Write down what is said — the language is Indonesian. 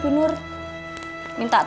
jadi aku jadi daya kulit